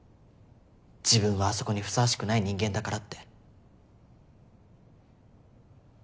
「自分はあそこにふさわしくない人間だから」って。